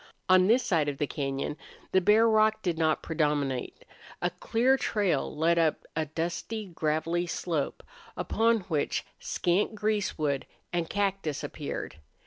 On this side of the cañon the bare rock did not predominate. A clear trail led up a dusty, gravelly slope, upon which scant greasewood and cactus appeared.